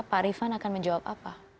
pak rifan akan menjawab apa